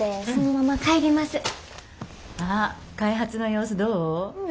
あっ開発の様子どう？